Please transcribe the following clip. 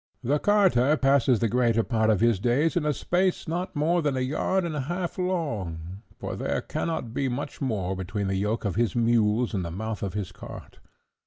"The carter passes the greater part of his days in a space not more than a yard and a half long, for there cannot be much more between the yoke of his mules and the mouth of his cart.